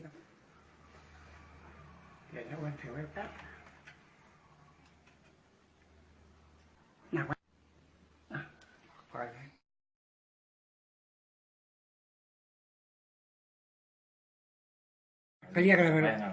เราได้แค่ไว้มองว่าเราเป็นศิษธิษฐกษิที่เราได้ครอบครองไว้